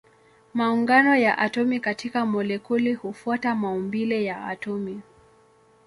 Maungano ya atomi katika molekuli hufuata maumbile ya atomi.